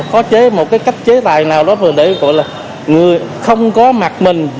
có một cách chế tài nào đó để người không có mặt mình